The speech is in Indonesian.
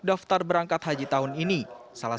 sebelumnya di dalam perjalanan ke tempat yang tidak terlalu baik